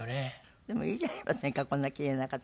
でもいいじゃありませんかこんなキレイな方がいて。